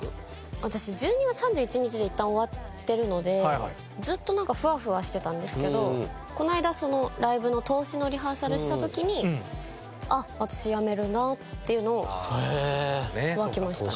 私１２月３１日でいったん終わってるのでずっとフワフワしてたんですけどこの間ライブの通しのリハーサルした時にあっ私やめるなっていうのを湧きました。